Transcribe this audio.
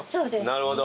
なるほど。